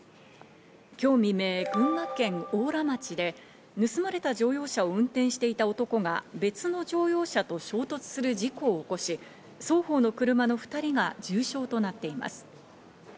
今日未明、群馬県邑楽町で盗まれた乗用車を運転していた男が別の乗用車と衝突する事故を起こし、双方の車の２人が重傷となっています。